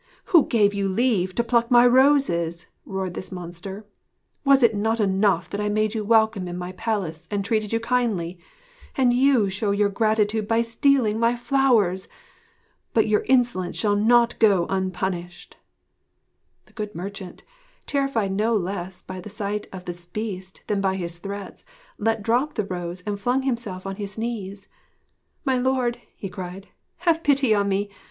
'Who gave you leave to pluck my roses?' roared this monster. 'Was it not enough that I made you welcome in my palace and treated you kindly? And you show your gratitude by stealing my flowers! But your insolence shall not go unpunished!' The good merchant, terrified no less by the sight of this Beast than by his threats, let drop the rose and flung himself on his knees. 'My Lord,' he cried, 'have pity on me!